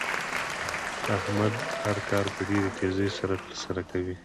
احمد هر کار په ډېرې تېزۍ سره تر سره کوي.